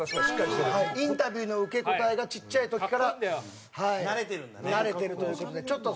インタビューの受け答えがちっちゃい時からはい慣れてるという事でちょっと